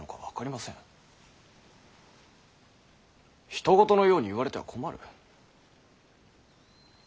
ひと事のように言われては困る。